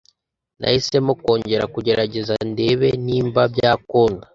Nahisemo kongera kugerageza ndebe nimba byakunda.